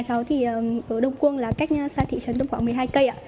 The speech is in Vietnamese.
nhà trọ ở đông quân là cách xa thị trấn tầm khoảng một mươi hai cây